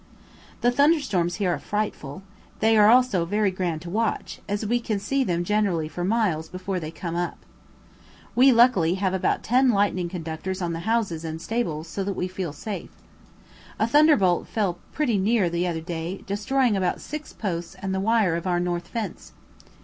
The thunder storms here are frightful; they are also very grand to watch, as we can see them generally for miles before they come up. We, luckily, have about ten lightning conductors on the houses and stables, so that we feel safe. A thunder bolt fell pretty near the other day, destroying about six posts and the wire of our north fence.